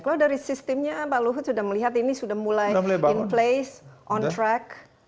kalau dari sistemnya pak luhut sudah melihat ini sudah mulai in place on track